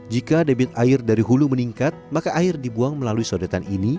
jika debit air dari hulu meningkat maka air dibuang melalui sodetan ini